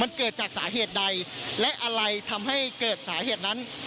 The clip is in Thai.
มันเกิดจากสาเหตุใดและอะไรทำให้เกิดสาเหตุนั้น